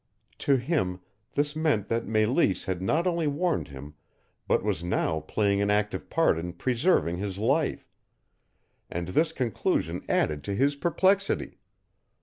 To him this meant that Meleese had not only warned him but was now playing an active part in preserving his life, and this conclusion added to his perplexity.